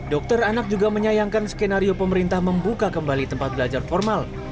dokter anak juga menyayangkan skenario pemerintah membuka kembali tempat belajar formal